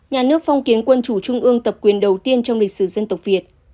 nhà nước phong kiến quân chủ trung ương tập quyền đầu tiên trong lịch sử dân tộc việt